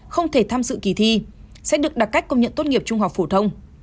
không thể tham dự kỳ thi sẽ được đặt cách công nhận tốt nghiệp trung học phổ thông